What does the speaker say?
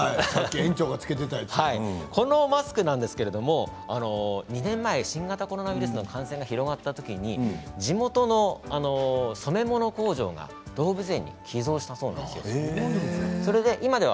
このマスクなんですけれど２年前、新型コロナウイルスの感染が広がったときに地元の染め物工場が動物園に寄贈したそうなんです。